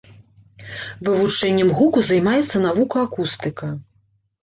Вывучэннем гуку займаецца навука акустыка.